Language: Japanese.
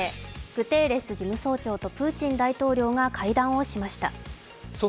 グテーレス事務総長とプーチン大統領が会談をしました。